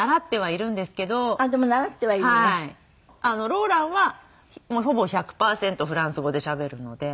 ローランはほぼ１００パーセントフランス語でしゃべるので。